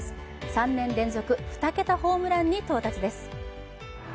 ３年連続２桁ホームランに到達です。